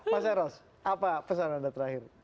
mas eros apa pesan anda terakhir